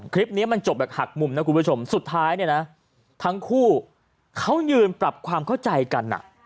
คลิปนี้มันจบแบบหักมุมนะคุณผู้ชมสุดท้ายเนี่ยนะทั้งคู่เขายืนปรับความเข้าใจกัน